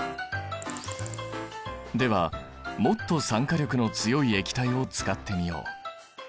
ではもっと酸化力の強い液体を使ってみよう。